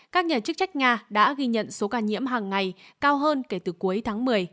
các nhà chức trách nga đã ghi nhận số ca nhiễm hàng ngày cao hơn kể từ cuối tháng một mươi